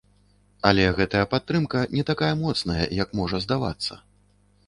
Але гэтая падтрымка не такая моцная, як можа здавацца.